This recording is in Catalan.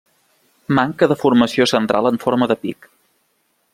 Manca de formació central en forma de pic.